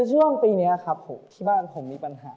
ฉันจะมีชีวิตต่อไป